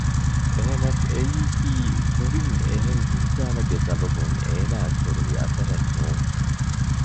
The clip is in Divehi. އެހެނަސް އެއީކީ ކުރިން އެހެން އިންސާނެއްގެ ސަބަބުން އޭނާއަށް ކުރުވި އަސަރެއް ނޫން